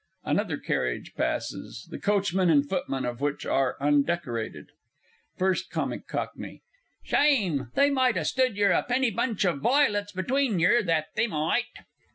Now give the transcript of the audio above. [Another carriage passes, the coachman and footmen of which are undecorated. FIRST C. C. Shime! they might ha' stood yer a penny bunch of voilets between yer, that they might!